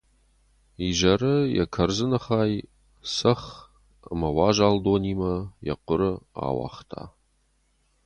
Изӕры йӕ кӕрдзыны хай цӕхх ӕмӕ уазал донимӕ йӕ хъуыры ауагъта.